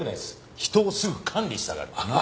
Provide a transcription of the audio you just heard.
人をすぐ管理したがる。なあ？